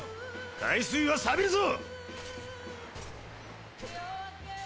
海水はさびるぞ！